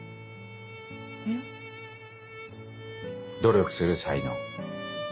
えっ？努力する才能。